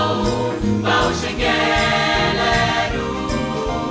เราจะแง่และรู้